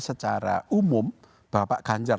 secara umum bapak ganjar